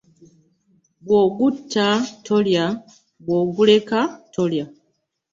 Bwogutta tolya, bwoguleka tolya .